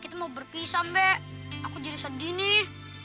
kita mau berpisah mbek aku jadi sedih nih